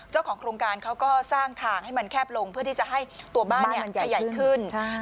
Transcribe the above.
เจ้าของโครงการเขาก็สร้างทางให้มันแคบลงเพื่อที่จะให้ตัวบ้านใหญ่ขึ้น